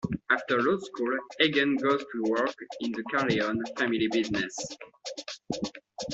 After law school, Hagen goes to work in the Corleone "family business".